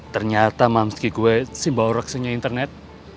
ternyata mamski gue si bau reksanya internet